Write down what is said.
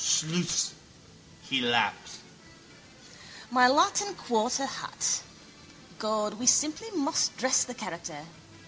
_ Schluss. He laps. My Latin quarter hat. God, we simply must dress the character.